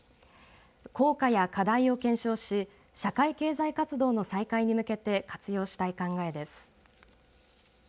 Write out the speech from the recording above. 効果や課題を検証し社会経済活動の再開に向けて活用したい考えです。